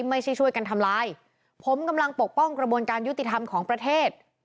ไม่ใช่ช่วยกันทำลายผมกำลังปกป้องกระบวนการยุติธรรมของประเทศ